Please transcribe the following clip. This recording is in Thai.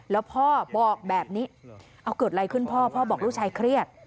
แล้วพ่อบอกแบบนี้เอาเกิดอะไรขึ้นพ่อพ่อบอกลูกชายเครียด